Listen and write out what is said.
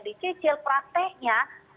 di cicil prakteknya